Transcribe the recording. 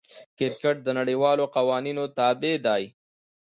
کرکټ د نړۍوالو قوانینو تابع دئ.